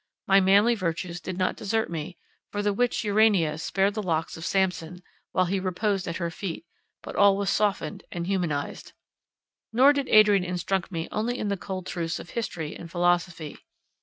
My manly virtues did not desert me, for the witch Urania spared the locks of Sampson, while he reposed at her feet; but all was softened and humanized. Nor did Adrian instruct me only in the cold truths of history and philosophy.